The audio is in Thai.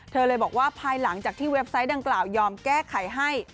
เธอเลยบอกว่าภายหลังจากที่เว็บไซต์ดังกล่าวยอมแก้ไขให้